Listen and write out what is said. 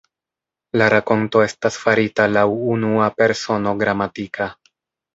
La rakonto estas farita laŭ unua persono gramatika.